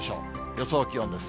予想気温です。